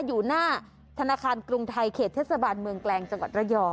อยู่หน้าธนาคารกรุงไทยเขตเทศบาลเมืองแกลงจังหวัดระยอง